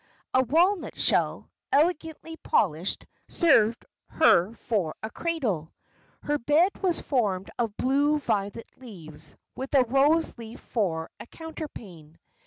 A walnut shell, elegantly polished, served her for a cradle. Her bed was formed of blue violet leaves, with a rose leaf for a counterpane.